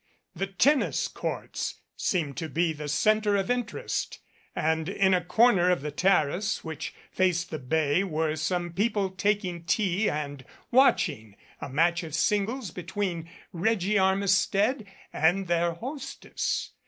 The tennis courts seemed to be the center of interest and in a corner of the terrace which faced the bay were some people taking tea and watching a match of singles be tween Reggie Armistead and their hostess.